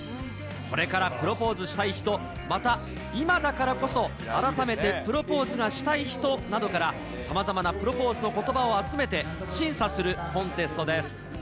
これからプロポーズしたい人、また今だからこそ改めてプロポーズがしたい人などから、さまざまなプロポーズのことばを集めて、審査するコンテストです。